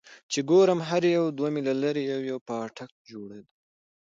چې ګورم هر يو دوه ميله لرې يو يو پاټک جوړ دى.